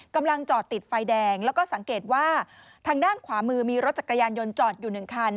กำลังจอดติดไฟแดงแล้วก็สังเกตว่าทางด้านขวามือมีรถจักรยานยนต์จอดอยู่หนึ่งคัน